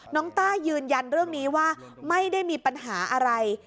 ต้ายืนยันเรื่องนี้ว่าไม่ได้มีปัญหาอะไร